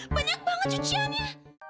banyak banget cuciannya